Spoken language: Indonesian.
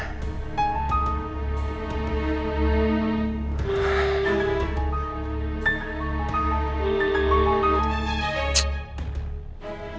tidak ada yang mau ngebantu